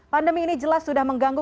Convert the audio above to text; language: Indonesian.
pandemi ini jelas sudah mengganggu